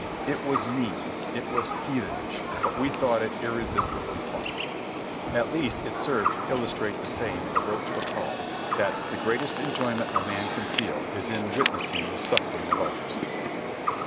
It was mean, it was heathenish, but we thought it irresistibly funny; at least it served to illustrate the saying of Rochefoucauld, that "the greatest enjoyment a man can feel is in witnessing the suffering of others."